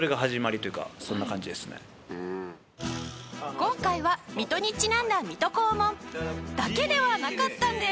今回は水戸にちなんだ水戸黄門だけではなかったんです！